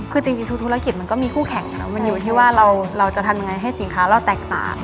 คือจริงทุกธุรกิจมันก็มีคู่แข่งมันอยู่ที่ว่าเราจะทำยังไงให้สินค้าเราแตกต่าง